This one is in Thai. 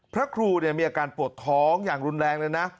พระครูมีอาการปวดท้องอย่างรุนแรงเลยนะ